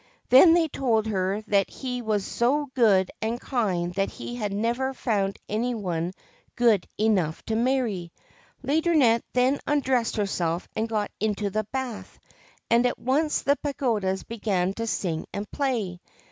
Then they told her that he was so good and kind that he had never found any one good enough to marry. Laideronnette then undressed herself and got into the bath, and at once the pagodas began to sing and play.